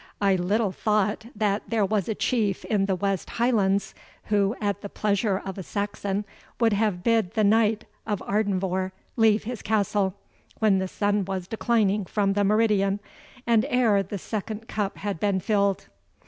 "I little thought that there was a Chief in the West Highlands, who, at the pleasure of a Saxon, would have bid the Knight of Ardenvohr leave his castle, when the sun was declining from the meridian, and ere the second cup had been filled.